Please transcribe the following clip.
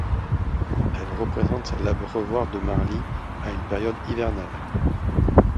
Elle représente l'abreuvoir de Marly à une période hivernale.